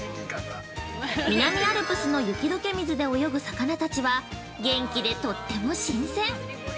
南アルプスの雪解け水で泳ぐ魚たちは、元気でとっても新鮮！